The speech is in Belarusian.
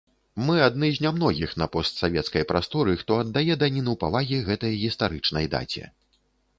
Мы адны з нямногіх на постсавецкай прасторы, хто аддае даніну павагі гэтай гістарычнай даце.